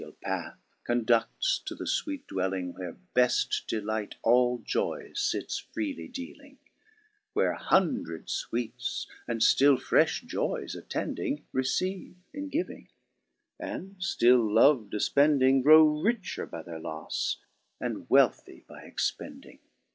The Lafteal Path, condufts to the fweet dwelling Where beft Delight all joyes fits freely dealing ; Where hundred fweetes, and ftill frefti joyes attending. Receive in giving ; and, ftill love difpending. Grow richer by their lofle, and wealthy by expending.